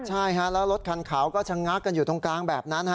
ใช่ฮะแล้วรถคันขาวก็ชะงักกันอยู่ตรงกลางแบบนั้น